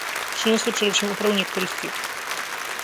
Přinesl především opravu některých chyb.